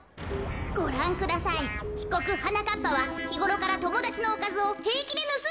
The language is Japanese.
ごらんくださいひこくはなかっぱはひごろからともだちのおかずをへいきでぬすんでいるのです。